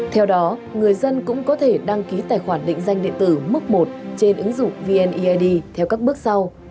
theo đó người dân cũng có thể đăng ký tài khoản định danh điện tử mức một trên ứng dụng vneid theo các bước sau